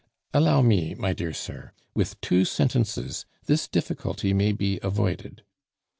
"Allow me, my dear sir; with two sentences this difficulty may be avoided."